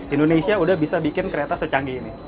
indonesia udah bisa bikin kereta secanggih ini